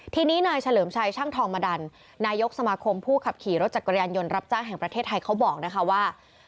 ทีนี้นายเฉลิมชัยช่างทองมดันนายกสมาคมผู้ขับขี่รถจักรยานยนต์รับจ้างแห่งประเทศไทยเขาบอกนะคะว่า